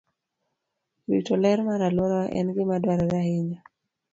Rito ler mar alwora en gima dwarore ahinya.